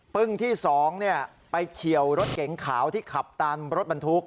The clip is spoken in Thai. ที่๒ไปเฉียวรถเก๋งขาวที่ขับตามรถบรรทุก